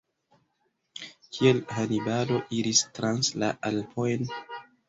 Kial Hanibalo iris trans la Alpojn?